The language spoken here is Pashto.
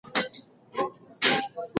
موږ باید یو بل سره وپیژنو.